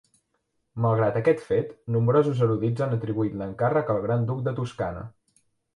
Malgrat aquest fet, nombrosos erudits han atribuït l'encàrrec al Gran Duc de Toscana.